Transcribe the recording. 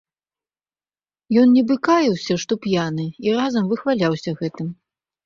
Ён нібы каяўся, што п'яны, і разам выхваляўся гэтым.